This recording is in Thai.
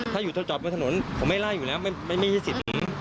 ถ้าอยู่ทดจอดบนถนนผมไม่ไล่อยู่แล้วไม่มีสิทธิ์หนี